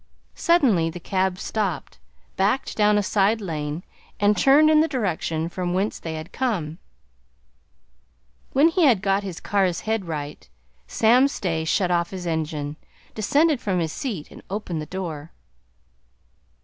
Suddenly the cab stopped, backed down a side lane, and turned in the direction from whence they had come. When he had got his car's head right, Sam Stay shut off his engine, descended from his seat, and opened the door.